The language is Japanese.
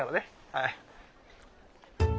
はい。